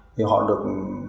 thì họ được